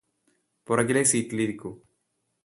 പുറകിലെ സീറ്റിലിരിക്കൂ